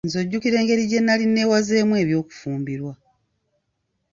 Nze ojjukira engeri gye nnali neewazeemu eby'okufumbirwa.